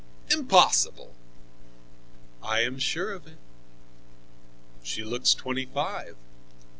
"Impossible!" "I am sure of it." "She looks twenty five."